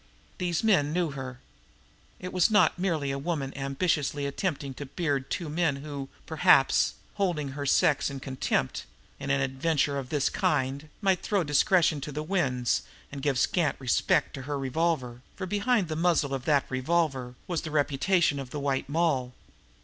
These men knew her. It was not merely a woman ambitiously attempting to beard two men who, perhaps, holding her sex in contempt in an adventure of this kind, might throw discretion to the winds and give scant respect to her revolver, for behind the muzzle of that revolver was the reputation of the White Moll.